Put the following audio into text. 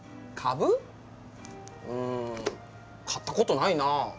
うん買ったことないなあ。